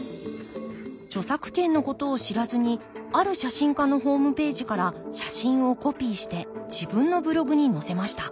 著作権のことを知らずにある写真家のホームページから写真をコピーして自分のブログに載せました。